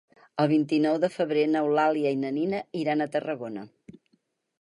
El vint-i-nou de febrer n'Eulàlia i na Nina iran a Tarragona.